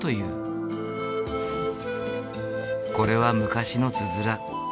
これは昔のつづら。